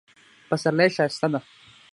پسرلی ښایسته ده